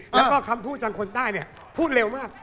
แล้วก็คำพูดจากคนใต้เนี่ยพูดเร็วมาก